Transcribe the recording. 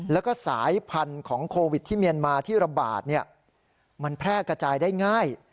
แล้วก็สายพันธุ์ของโควิดที่เมียนมาที่ระบาดมันแพร่กระจายได้ง่าย